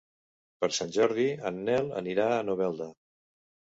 Per Sant Jordi en Nel anirà a Novelda.